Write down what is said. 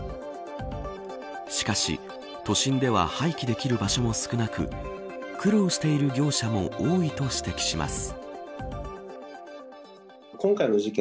しかし、都心では廃棄できる場所も少なく苦労している業者も多いと指摘します。